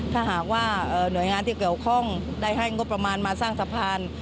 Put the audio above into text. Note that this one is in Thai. ถ้าหากว่าหน่วยงานที่เกี่ยวข้องได้ให้งบประมาณมาสร้างสะพาน